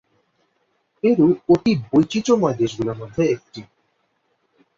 Peru অতিবৈচিত্র্যময় দেশগুলির মধ্যে একটি।